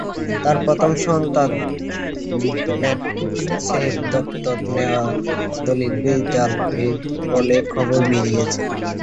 তাঁর প্রথম সন্তান ম্যাডক্সের দত্তক নেওয়ার দলিলটি জাল বলে খবর বেরিয়েছে।